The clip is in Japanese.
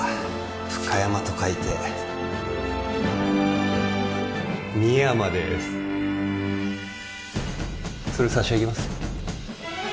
フカヤマと書いて深山ですそれ差し上げます